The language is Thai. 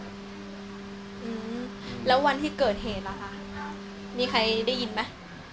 อืมแล้ววันที่เกิดเหตุล่ะคะมีใครได้ยินไหม